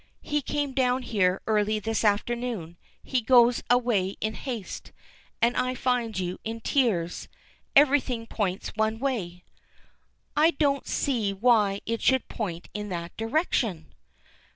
"He came down here early this afternoon. He goes away in haste and I find you in tears. Everything points one way." "I don't see why it should point in that direction."